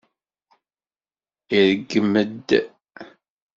Iṛeggem-d.